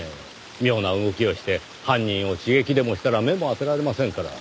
妙な動きをして犯人を刺激でもしたら目も当てられませんから。